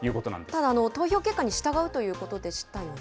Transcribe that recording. ただ、投票結果に従うということでしたよね。